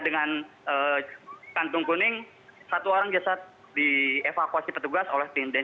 ya dengan kantung kuning satu orang jasad dievakuasi petugas oleh tim d satu ratus delapan puluh delapan